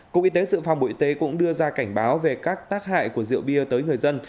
cục y tế sự phòng bộ y tế cũng đưa ra cảnh báo về các tác hại của rượu bia tới người dân